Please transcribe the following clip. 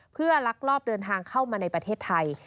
เพื่อลักลอบเดินทางเข้ามาในประเทศไทย